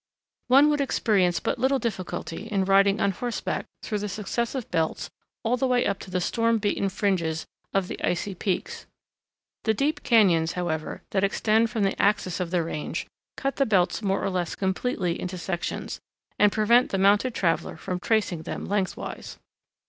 One would experience but little difficulty in riding on horseback through the successive belts all the way up to the storm beaten fringes of the icy peaks. The deep cañons, however, that extend from the axis of the range, cut the belts more or less completely into sections, and prevent the mounted traveler from tracing them lengthwise.